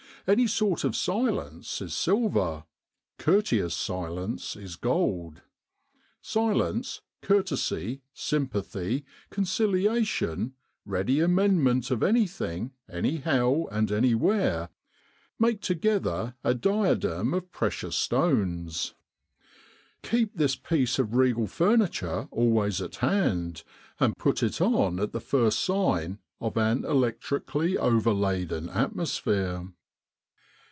Any sort of silence is silver ; courteous silence is gold : silence, 272 Military General Hospitals in Egypt courtesy, sympathy, conciliation, ready amendment of anything, anyhow and anywhere, make together a diadem of precious stones. Keep this piece of regal furniture always at hand, and put it on at the first sign of an electrically overladen atmosphere.